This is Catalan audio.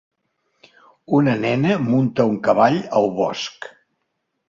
Una nena munta un cavall al bosc.